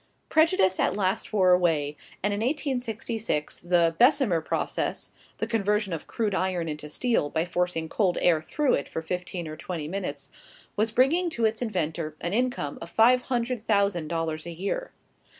Prejudice at last wore away, and in 1866, the "Bessemer process," the conversion of crude iron into steel by forcing cold air through it for fifteen or twenty minutes, was bringing to its inventor an income of five hundred thousand dollars a year!